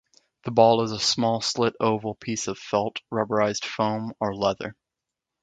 The ball is a small slit oval piece of felt, rubberized foam or leather.